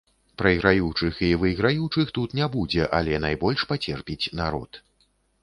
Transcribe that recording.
Прайграючых і выйграючых тут не будзе, але найбольш пацерпіць народ.